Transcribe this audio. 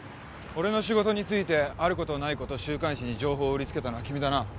俺の仕事についてあることないこと週刊誌に情報を売りつけたのは君だな。